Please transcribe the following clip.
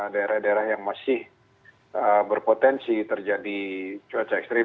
daerah daerah yang masih berpotensi terjadi cuaca ekstrim